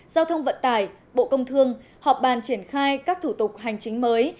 giao thông vận tải bộ công thương họp bàn triển khai các thủ tục hành chính mới